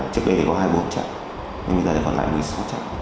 trước đây thì có hai mươi bốn trạng nhưng giờ còn lại một mươi sáu trạng